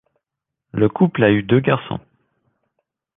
Le couple a eu deux garçons.